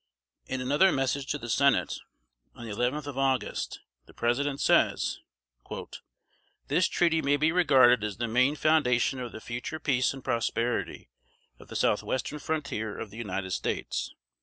In another Message to the Senate, on the eleventh of August, the President says: "This treaty may be regarded as the main foundation of the future peace and prosperity of the Southwestern frontier of the United States."